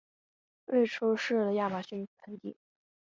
位处湿热的亚马逊盆地。